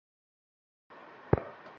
আজকাল সকাল সকাল ঘুম থেকে উঠতে ইচ্ছেও হয় না।